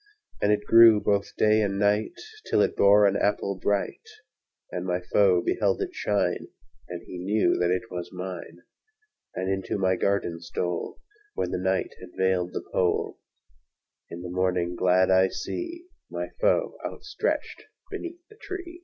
And it grew both day and night, Till it bore an apple bright, And my foe beheld it shine, And he knew that it was mine,— And into my garden stole When the night had veiled the pole; In the morning, glad, I see My foe outstretched beneath the tre